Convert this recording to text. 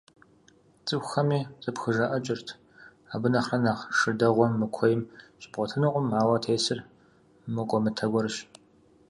ЦӀыхухэми зэпхыжаӀыкӀырт: «Абы нэхърэ нэхъ шы дэгъуэ мы куейм щыбгъуэтынкъым, ауэ тесыр мыкӀуэмытэ гуэрщ».